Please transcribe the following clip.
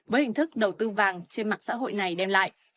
với hình thức đầu tư vàng trên mạng xã hội này đem lại